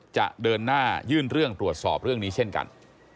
จะเดินหน้ายื่นเรื่องตรวจสอบเรื่องนี้เช่นกัน